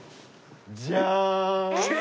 じゃーん！